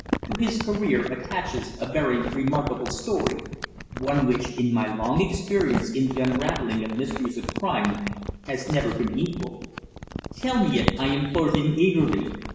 "To his career attaches a very remarkable story one which, in my long experience in the unravelling of mysteries of crime, has never been equalled." "Tell me it," I implored him eagerly.